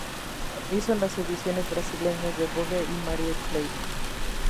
Hizo las ediciones brasileñas de "Vogue" y "Marie Claire".